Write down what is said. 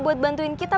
buat bantuin kita